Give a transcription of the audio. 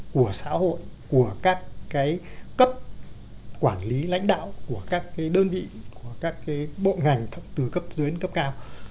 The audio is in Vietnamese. của xã hội của các cái cấp quản lý lãnh đạo của các đơn vị của các bộ ngành từ cấp dưới đến cấp cao